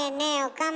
岡村。